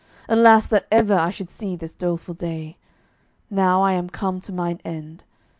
Alas that ever I should see this doleful day. Now I am come to mine end.